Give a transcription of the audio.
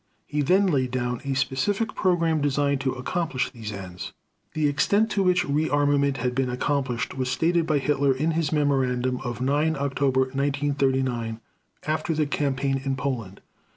He then laid down a specific program designed to accomplish these ends. The extent to which rearmament had been accomplished was stated by Hitler in his memorandum of 9 October 1939, after the campaign in Poland.